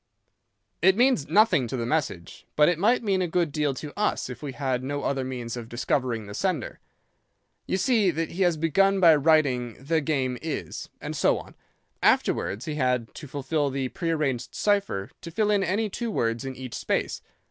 "'It means nothing to the message, but it might mean a good deal to us if we had no other means of discovering the sender. You see that he has begun by writing "The ... game ... is," and so on. Afterwards he had, to fulfill the prearranged cipher, to fill in any two words in each space.